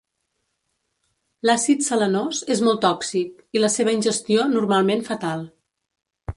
L'àcid selenós és molt tòxic i la seva ingestió normalment fatal.